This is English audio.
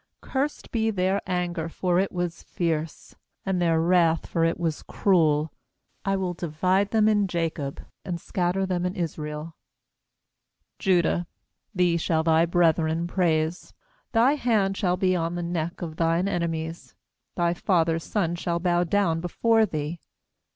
7Cursed be their anger, for it was fierce, And their wrath, for it was cruel; I will divide them in Jacob, And scatter them in Israel. 8Judah, thee shall thy brethren praise; Thy hand shall be on the neck of thine enemies; Thy father's sons shall bow down before thee.